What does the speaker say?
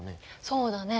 そうだね。